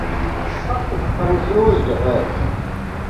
سخت کنفیوزڈ ہیں۔